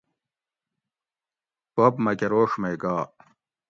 بوب مکہ روڛ مئ گا